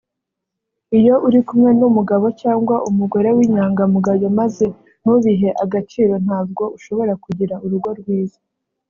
Iyo uri kumwe n’umugabo cyangwa umugore w’inyangamugayo maze ntubihe agaciro ntabwo ushobora kugira urugo rwiza